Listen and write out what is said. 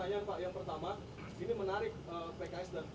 karena sudah detik detik terakhir ini bapak